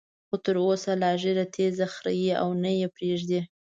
خو تر اوسه لا ږیره تېزه خرېي او نه یې پریږدي.